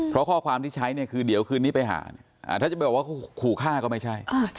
เพราะข้อความที่ใช้เนี่ยคือเดี๋ยวคืนนี้ไปหาถ้าจะไปบอกว่าขู่ฆ่าก็ไม่ใช่